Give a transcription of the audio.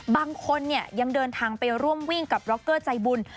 บางคนเนี่ยยังเดินทางไปร่วมวิ่งกับร็อกเกอร์ใจบุญ